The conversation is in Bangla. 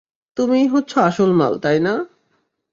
তুমিই হচ্ছ আসল মাল, তাই না?